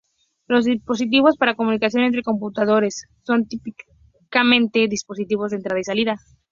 Los dispositivos para comunicación entre computadores son típicamente dispositivos de entrada y de salida.